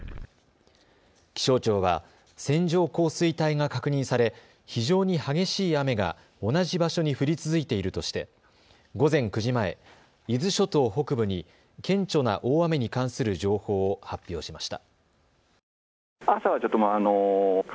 気象庁は線状降水帯が確認され非常に激しい雨が同じ場所に降り続いているとして午前９時前、伊豆諸島北部に顕著な大雨に関する情報を発表しました。